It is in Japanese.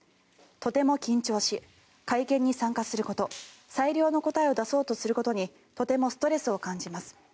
とても緊張し会見に参加すること最良の答えを出そうとすることにとてもストレスを感じます。